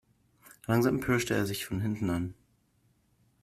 Langsam pirschte er sich von hinten an.